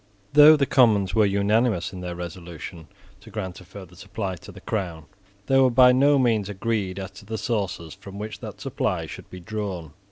Though the Commons were unanimous in their resolution to grant a further supply to the crown, they were by no means agreed as to the sources from which that supply should be drawn.